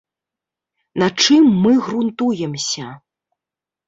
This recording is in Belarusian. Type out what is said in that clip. На чым мы грунтуемся?